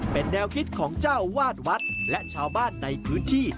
เป็นแนวคิดของเจ้าวาดวัดและชาวบ้านในพื้นที่